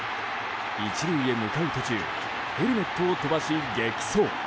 １塁へ向かう途中ヘルメットを飛ばし激走。